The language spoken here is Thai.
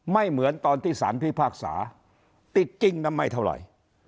เหมือนตอนที่สารพิพากษาติดจริงนะไม่เท่าไหร่